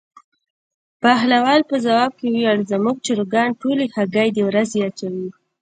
بهلول په ځواب کې وویل: زموږ چرګان ټولې هګۍ د ورځې اچوي.